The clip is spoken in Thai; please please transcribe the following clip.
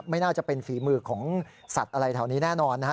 ไม่น่าจะเป็นฝีมือของสัตว์อะไรแถวนี้แน่นอนนะฮะ